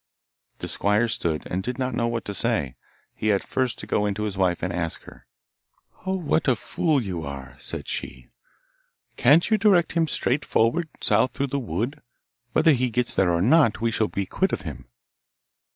The squire stood, and did not know what to say, and had first to go in to his wife to ask her. 'Oh, what a fool you are!' said she, 'can't you direct him straight forward, south through the wood? Whether he gets there or not, we shall be quit of him.